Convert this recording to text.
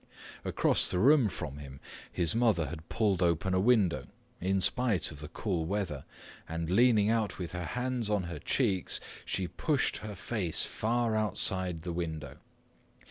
Across the room from him his mother had pulled open a window, in spite of the cool weather, and leaning out with her hands on her cheeks, she pushed her face far outside the window.